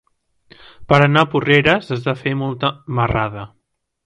Per anar a Porreres has de fer molta marrada.